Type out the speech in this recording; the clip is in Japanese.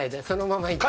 そのまま。